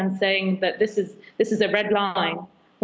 yang mengatakan ini adalah garis merah